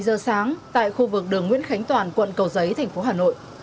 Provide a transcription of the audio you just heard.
bảy giờ sáng tại khu vực đường nguyễn khánh toàn quận cầu giấy tp hà nội